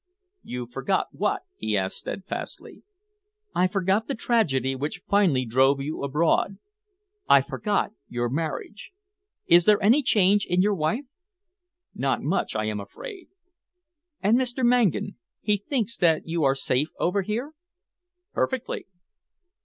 "You forgot what?" he asked steadfastly. "I forgot the tragedy which finally drove you abroad. I forgot your marriage. Is there any change in your wife?" "Not much, I am afraid." "And Mr. Mangan he thinks that you are safe over here?" "Perfectly."